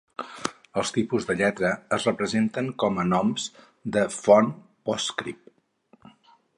Els tipus de lletra es representen com a noms de font PostScript.